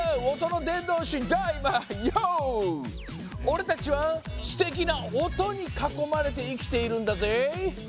おれたちはすてきな音にかこまれていきているんだぜ。